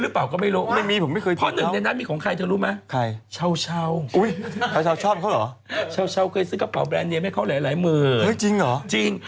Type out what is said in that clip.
หน้านั้นมีของใครเธอรู้ไหมชาวเคยซื้อกระเป๋าแบรนด์เนียมให้หลายมึง